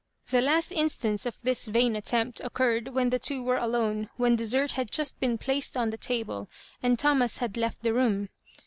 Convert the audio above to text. The last instance of this vain attempt occurred when the two were alone, when dessert had just been placed on the table, and Thomas bad left the room.